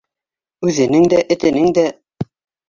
Үҙенең дә, этенең дә.